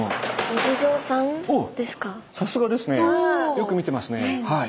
よく見てますねはい。